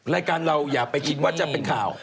รายการเราอย่าไปคิดว่าจะเป็นข่าว